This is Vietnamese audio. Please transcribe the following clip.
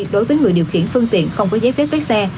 đối với người điều khiển phương tiện không có giấy phép lái xe